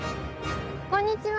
こんにちは。